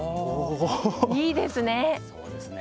いいですね。